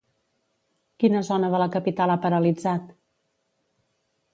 Quina zona de la capital ha paralitzat?